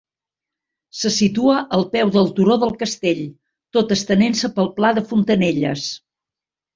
Se situa al peu del Turó del Castell, tot estenent-se pel pla de Fontanelles.